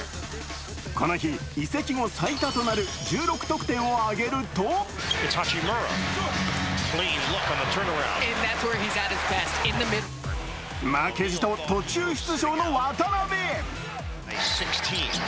この日移籍後最多となる１６得点を挙げると負けじと、途中出場の渡邊。